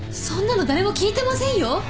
そんなの誰も聞いてませんよ。